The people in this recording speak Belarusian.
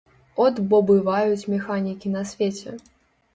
От бо бываюць механікі на свеце!